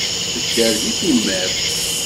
Tedder deg tumert.